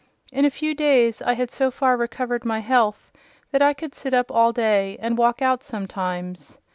In a few days I had so far recovered my health that I could sit up all day, and walk out sometimes.